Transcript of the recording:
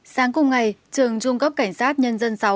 sáng cùng ngày trường trung cấp cảnh sát nhân dân sáu